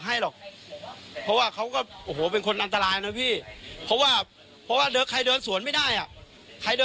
ใครอ่ะคนบ้าที่ตบมือ